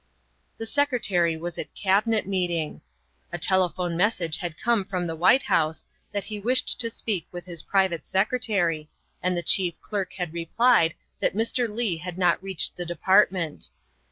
The Secretary was at Cabinet meeting. A telephone message had come from the White House that he wished to speak with his private secretary, and the Chief Clerk had replied that Mr. Leigh had not reached the De partment.